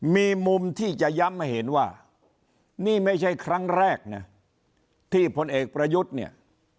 มีมุมที่จะย้ำให้เห็นว่านี่ไม่ใช่ครั้งแรกนะที่พลเอกประยุทธ์เนี่ย